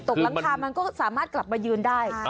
หลังคามันก็สามารถกลับมายืนได้